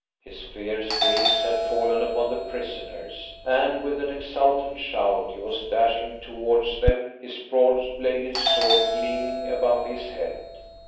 His fierce gaze had fallen upon the prisoners, and with an exultant shout he was dashing towards them, his broad bladed sword gleaming above his head.